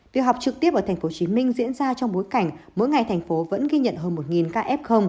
việc học trực tiếp ở tp hcm diễn ra trong bối cảnh mỗi ngày thành phố vẫn ghi nhận hơn một ca f